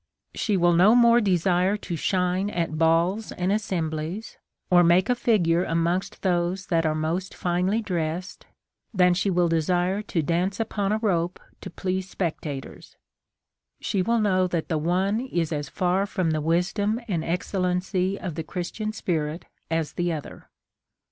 13 she will 110 more desire to shine at balls and assem hlies, or make a figure amongst those that are most finely dressed, than she will desire to dance upon a rope to please spectators : She will know that the one is as far from the wisdom and excellency of the Chris tian spirit as the other.